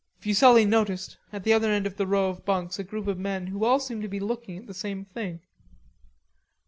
Fuselli noticed, at the other end of the row of bunks, a group of men who all seemed to be looking at the same thing.